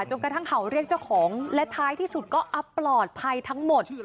กระทั่งเห่าเรียกเจ้าของและท้ายที่สุดก็อัพปลอดภัยทั้งหมด